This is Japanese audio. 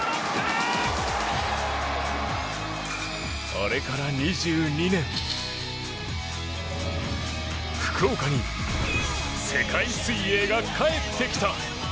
あれから２２年福岡に、世界水泳が帰ってきた。